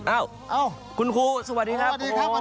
เป็นที่คุณครูอาทิตเตะครับ